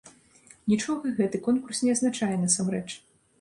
Нічога гэты конкурс не азначае, насамрэч.